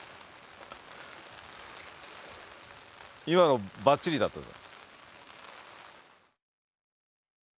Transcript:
今のバッチリだったぞ！